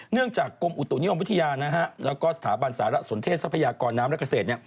เนื่องจากกลมอุตุนิยมวิทยาและสถาบันศาลสนเทศทรัพยากรน้ำและเกษตร